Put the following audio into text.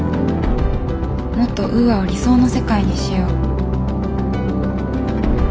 もっとウーアを理想の世界にしよう。